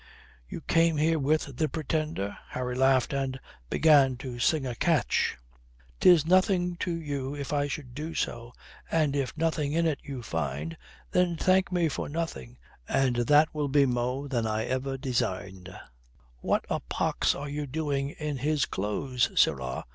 "You came here with the Pretender?" Harry laughed and began to sing a catch: "'Tis nothing to you if I should do so, And if nothing in it you find, Then thank me for nothing and that will be moe Than ever I designed." "What a pox are you doing in his clothes, sirrah?"